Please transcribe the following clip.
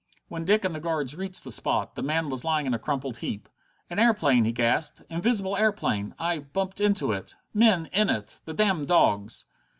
When Dick and the guards reached the spot, the man was lying in a crumpled heap. "An airplane," he gasped. "Invisible airplane. I bumped into it. Men in it. The damned dogs!"